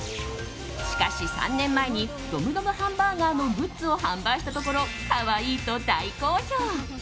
しかし、３年前にドムドムハンバーガーのグッズを販売したところ、可愛いと大好評。